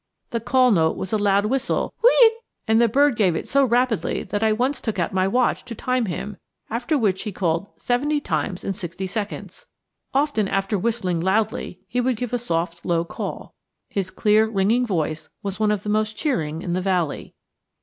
The call note was a loud whistle whee it' and the bird gave it so rapidly that I once took out my watch to time him, after which he called seventy times in sixty seconds. Often after whistling loudly he would give a soft low call. His clear ringing voice was one of the most cheering in the valley.